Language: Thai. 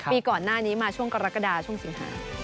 ปีก่อนหน้านี้มาช่วงกรกฎาช่วงสิงหา